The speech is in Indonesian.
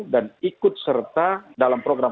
dan ikut serta dalam program